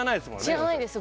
知らないです